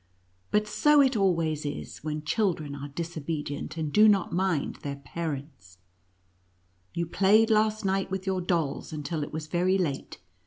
But so it always is, when children are disobedient and do not mind NUTCEACKEE AND MOUSE KING. 49 their parents. You played last night with your dolls until it was very late.